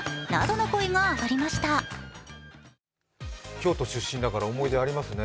京都出身だから思い出ありますね。